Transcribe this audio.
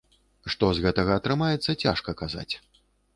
Што з гэтага атрымаецца, цяжка казаць.